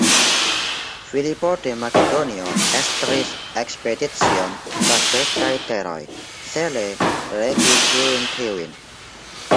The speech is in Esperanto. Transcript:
Filipo de Makedonio estris ekspedicion tra grekaj teroj, cele regi ĉiujn tiujn.